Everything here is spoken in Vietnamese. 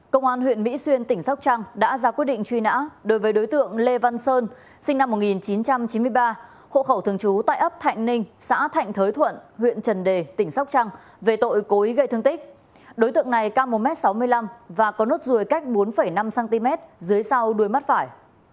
đối tượng này cao một m sáu mươi năm và có nốt ruồi cách bốn năm cm dưới sau đuôi mắt phải